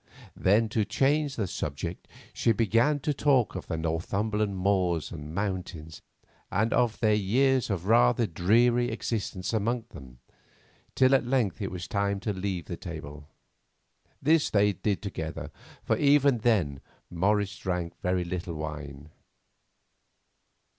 Then, to change the subject, she began to talk of the Northumberland moors and mountains, and of their years of rather dreary existence among them, till at length it was time to leave the table. This they did together, for even then Morris drank very little wine.